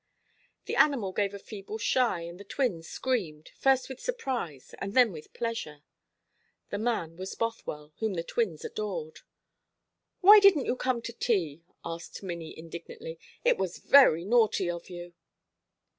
The animal gave a feeble shy, and the twins screamed, first with surprise and then with pleasure. The man was Bothwell, whom the twins adored. "Why didn't you come to tea?" asked Minnie indignantly. "It was very naughty of you."